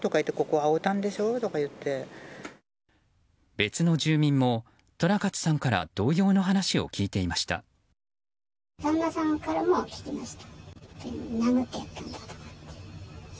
別の住民も、寅勝さんから同様の話を聞いていました。